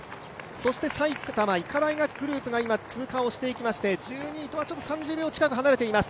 そして埼玉医科大学グループが今通過をしていきまして、１２位とは３０秒近く離れています。